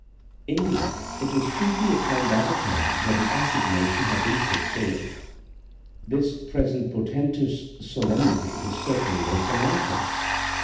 Indeed, it was chiefly upon that account that the assignation had been fixed so late. This present portentous solemnity was certainly most unlike him.